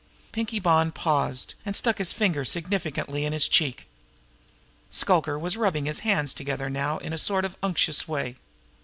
Pinkie Bonn paused, and stuck his tongue significantly in his cheek. Shluker was rubbing his hands together now in a sort of unctuous way.